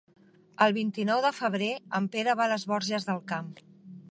El vint-i-nou de febrer en Pere va a les Borges del Camp.